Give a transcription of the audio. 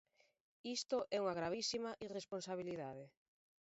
Isto é unha gravísima irresponsabilidade.